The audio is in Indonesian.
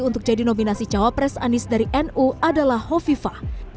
untuk jadi nominasi cawapres anies dari nu adalah hovifah